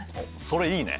それいいね。